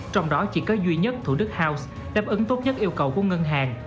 trong đó chỉ có duy nhất thủ đức house đáp ứng tốt nhất yêu cầu của ngân hàng